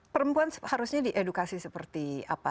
perempuan harusnya diedukasi seperti apa